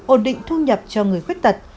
ồn định thu nhập cho người khuyết tật